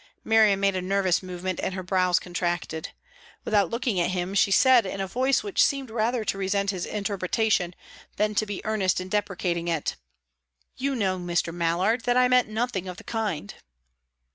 Miriam made a nervous movement, and her brows contracted. Without looking at him, she said, in a voice which seemed rather to resent his interpretation than to be earnest in deprecating it: "You know, Mr. Mallard, that I meant nothing of the kind."